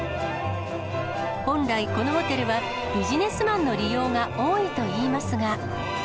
本来、このホテルはビジネスマンの利用が多いといいますが。